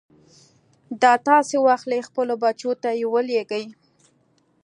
دا تاسې واخلئ خپلو بچو ته يې ولېږئ.